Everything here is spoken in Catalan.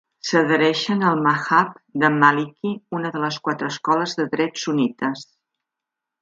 S'adhereixen al madhhab de Maliki, una de les quatre escoles de dret sunnites.